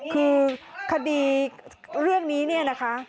คือคดีเรื่องนี้นะคะ